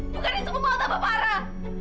bukannya semua malu apa parah